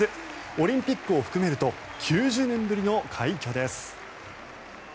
オリンピックを含めると９０年ぶりの快挙です。